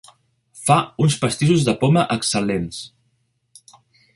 Fa uns pastissos de poma excel·lents.